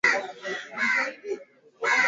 uvunaji unaweza kufanyika kwa kutumia mikono